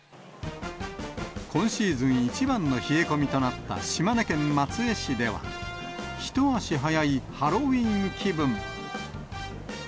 今シーズン一番の冷え込みとなった島根県松江市では、一足早いハロウィーン気分。